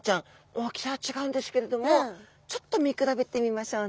大きさは違うんですけれどもちょっと見比べてみましょうね。